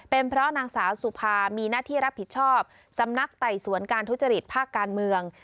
เป็นเพราะนางสาวสุภามีหน้าที่รับผิดชอบสำนักไต่สวนการทุจริตภาคการเมือง